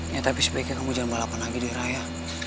ya tapi sebaiknya kamu jangan balapan lagi deh raya